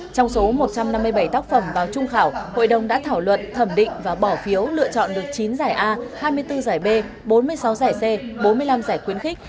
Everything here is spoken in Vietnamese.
trong số một trăm năm mươi bảy tác phẩm vào trung khảo hội đồng đã thảo luận thẩm định và bỏ phiếu lựa chọn được chín giải a hai mươi bốn giải b bốn mươi sáu giải c bốn mươi năm giải khuyến khích